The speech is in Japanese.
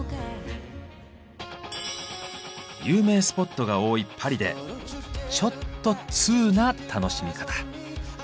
有名スポットが多いパリでちょっとツウな楽しみ方。